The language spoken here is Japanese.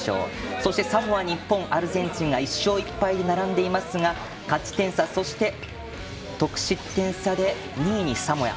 そして、サモア、日本アルゼンチンが１勝１敗で並んでいますが、勝ち点差そして得失点差で２位にサモア。